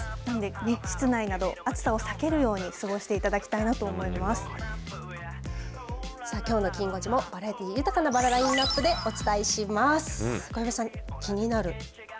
なので室内など暑さを避けるように過ごしていただきたいなとさあ、きょうのきん５時もバラエティー豊かなラインアップでお伝えします。